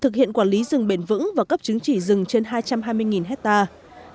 thực hiện quản lý rừng bền vững và cấp chứng chỉ rừng trên hai trăm hai mươi hectare